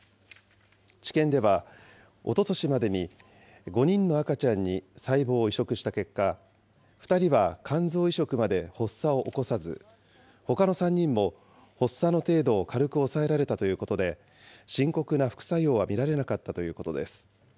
治験では、おととしまでに５人の赤ちゃんに細胞を移植した結果、２人は肝臓移植まで発作を起こさず、ほかの３人も発作の程度を軽く抑えられたということで、深刻な副作用は見られなかったということです。